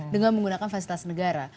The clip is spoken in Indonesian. dengan menggunakan fasilitas negara